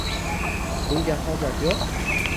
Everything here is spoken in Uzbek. Bunga hojat yo'q! 😉